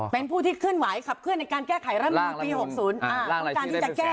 เป็นผู้ที่ขึ้นไหวขับเคลื่อนในการแก้ไขรัฐธรรมนูญปี๖๐